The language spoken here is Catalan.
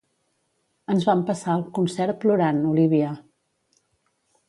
Ens vam passar el concert plorant, Olívia.